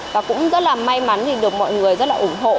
và cũng rất là may mắn thì được mọi người rất là ủng hộ